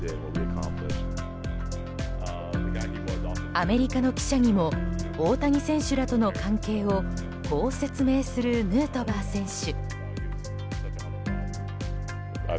アメリカの記者にも大谷選手らとの関係をこう説明するヌートバー選手。